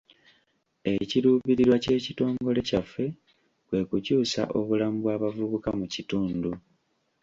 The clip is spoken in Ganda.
Ekiruubirirwa ky'ekitongole kyaffe kwe kukyusa obulamu bw'abavubuka mu kitundu.